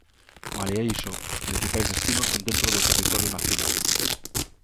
Malia iso, os principais destinos son dentro do territorio nacional.